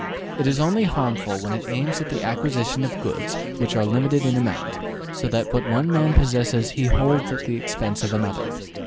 It is only harmful when it aims at the acquisition of goods which are limited in amount, so that what one man possesses he holds at the expense of another.